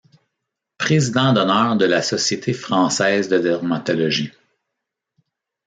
Président d'honneur de la Société française de dermatologie.